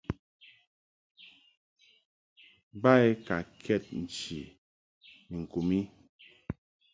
Ba I ka kɛd nchi ni ŋku mi.